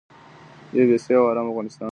یو بسیا او ارام افغانستان.